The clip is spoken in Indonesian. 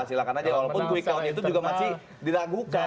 silahkan aja walaupun quick count itu juga masih diragukan